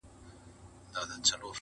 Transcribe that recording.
ملا سړی سو اوس پر لاره د آدم راغی~~